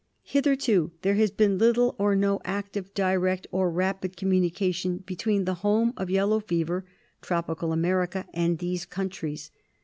Hitherto there has been little or no active, direct, or rapid communication between the home of yellow fever, tropical America, and these countries.